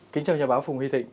kính chào nhà báo phùng huy thịnh